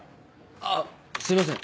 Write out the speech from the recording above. あっすいません